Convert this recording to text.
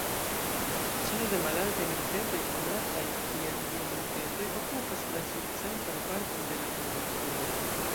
Ĉeno de malaltaj montetoj, konataj kiel Gir-Montetoj, okupas la sud-centran parton de la duoninsulo.